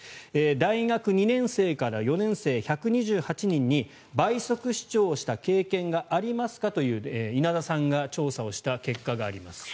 大学２年生から４年生１２８人に倍速視聴した経験がありますかという稲田さんが調査をした結果があります。